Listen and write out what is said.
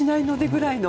ぐらいの。